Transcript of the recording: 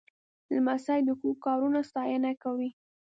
لمسی د ښو کارونو ستاینه کوي.